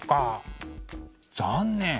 残念。